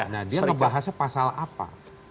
nah dia ngebahasnya pasal apa